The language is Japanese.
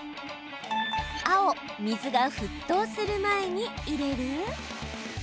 青・水が沸騰する前に入れる？